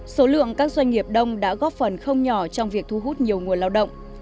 số lượng các doanh nghiệp đông đã góp phần không nhỏ trong việc thu hút nhiều nguồn lao động